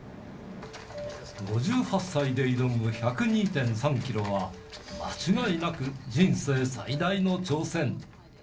５８歳で挑む１０２．３キロは、間違いなく人生最大の挑戦。